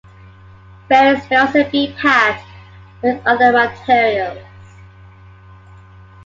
Bearings may also be packed with other materials.